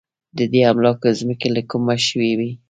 د دې املاکو ځمکې له کومه شوې وې.